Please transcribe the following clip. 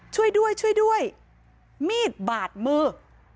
ช่วยด้วยช่วยด้วยมีดบาดมือ